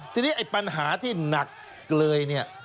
ทีนี้ปัญหาที่หนักเลย